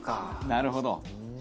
なるほど。